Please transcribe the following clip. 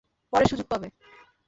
পরে সুযোগ পাবে।